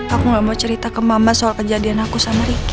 aku gak mau cerita ke mama soal kejadian aku sama ricky